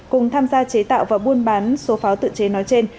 cùng tham gia chế tạo và buôn bán số pháo tự chế nói trên